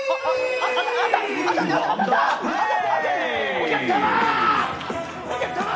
お客様ー！